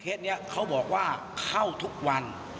นี้เขาบอกว่าเข้าทุกวัน